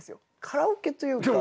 カラオケというか。